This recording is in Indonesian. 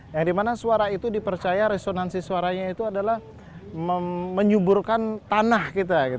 yang dimana suara itu dipercaya resonansi suaranya itu adalah menyuburkan tanah kita